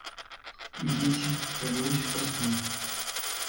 Дети, вернулись ко сну.